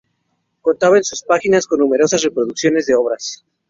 Contaba en sus páginas con numerosas reproducciones de obras.